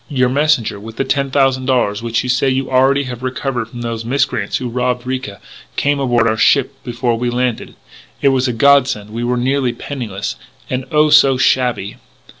Your messenger, with the ten thousand dollars which you say you already have recovered from those miscreants who robbed Ricca, came aboard our ship before we landed. It was a godsend; we were nearly penniless, and oh, so shabby!